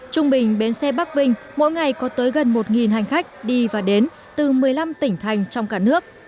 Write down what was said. trung bình bến xe bắc vinh mỗi ngày có tới gần một hành khách đi và đến từ một mươi năm tỉnh thành trong cả nước